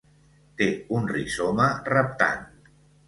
Té un rizoma reptant.